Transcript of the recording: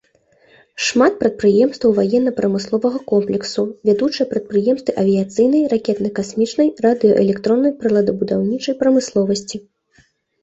Шмат прадпрыемстваў ваенна-прамысловага комплексу, вядучыя прадпрыемствы авіяцыйнай, ракетна-касмічнай, радыёэлектроннай, прыладабудаўнічай прамысловасці.